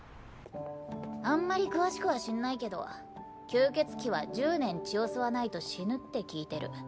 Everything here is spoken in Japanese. あんまり詳しくは知んないけど吸血鬼は１０年血を吸わないと死ぬって聞いてる。